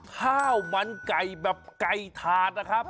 ข้าวมันไก่แบบไก่ถาดนะครับ